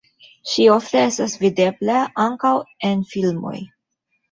Ŝi ofte estas videbla ankaŭ en filmoj.